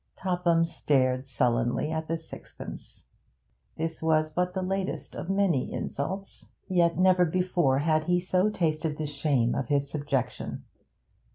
Topham stared sullenly at the sixpence. This was but the latest of many insults, yet never before had he so tasted the shame of his subjection.